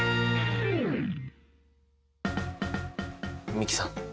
美樹さん